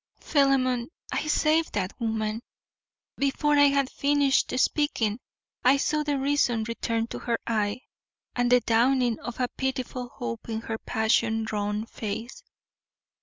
Philemon, I saved that woman. Before I had finished speaking I saw the reason return to her eye and the dawning of a pitiful hope in her passion drawn face.